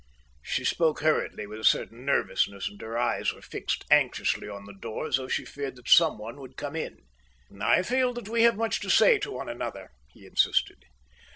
She spoke hurriedly, with a certain nervousness, and her eyes were fixed anxiously on the door as though she feared that someone would come in. "I feel that we have much to say to one another," he insisted.